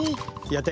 やって。